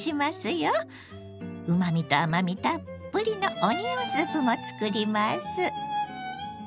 うまみと甘みたっぷりのオニオンスープも作ります。